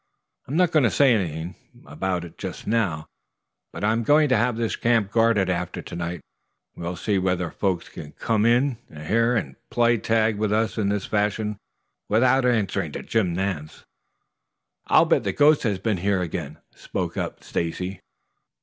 "I'm not going to say anything about it just now, but I am going to have this camp guarded after to night. We'll see whether folks can come in here and play tag with us in this fashion without answering to Jim Nance." "I'll bet the ghost has been here again," spoke up Stacy.